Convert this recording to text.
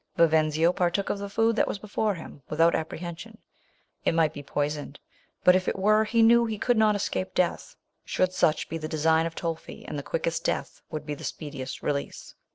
Vivenzio partook of the food that was before him, without apprehen sion. It might be poisoned; but if it were, he knew he could not escape death, should such be the design of Tolfi, and the quickest death would be the speediest release.